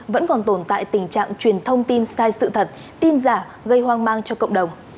vẫn còn tồn tại tình trạng truyền thông tin sai sự thật tin giả gây hoang mang cho cộng đồng